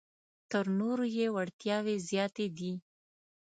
تر نورو یې وړتیاوې زیاتې دي.